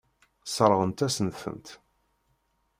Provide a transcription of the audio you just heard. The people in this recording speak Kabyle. Sseṛɣent-asent-tent.